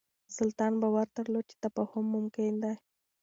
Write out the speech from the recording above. سلطان باور درلود چې تفاهم ممکن دی.